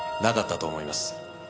なかったと思います。